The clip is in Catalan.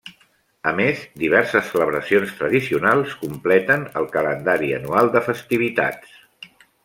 A més, diverses celebracions tradicionals completen el calendari anual de festivitats.